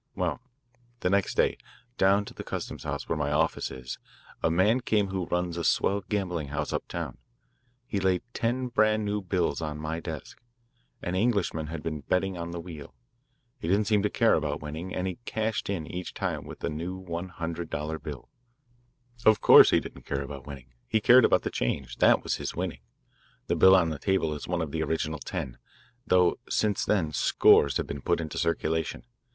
"Well, the next day, down to the Custom House, where my office is, a man came who runs a swell gambling house uptown. He laid ten brand new bills on my desk. An Englishman had been betting on the wheel. He didn't seem to care about winning, and he cashed in each time with a new one hundred dollar bill. Of course he didn't care about winning. He cared about the change that was his winning. The bill on the table is one of the original ten, though since then scores have been put into circulation.